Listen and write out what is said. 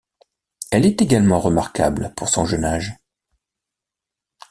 Elle est également remarquable pour son jeune âge.